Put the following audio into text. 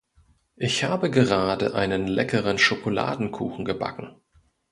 Ich habe gerade einen leckeren Schokoladenkuchen gebacken.